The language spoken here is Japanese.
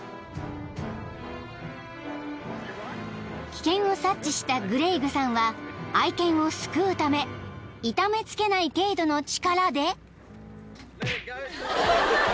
［危険を察知したグレイグさんは愛犬を救うため痛めつけない程度の力で］